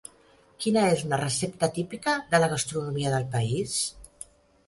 Quina és una recepta típica de la gastronomia del país?